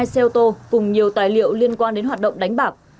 hai xe ô tô cùng nhiều tài liệu liên quan đến hoạt động đánh bạc